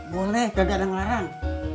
boleh kagak dan larang